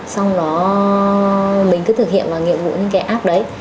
xong đó mình cứ thực hiện vào nhiệm vụ những cái app đấy